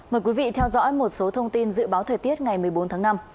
mời quý vị theo dõi một số thông tin dự báo thời tiết ngày một mươi bốn tháng năm